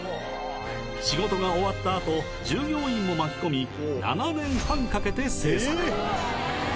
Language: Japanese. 仕事が終わったあと従業員も巻き込み７年半かけて製作